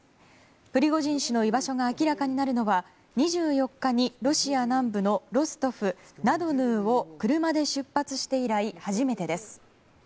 プリゴジン氏の居場所が明らかになるのは２４日に、ロシア南部のロストフ・ナ・ドヌーを車で出発して以来初めてです。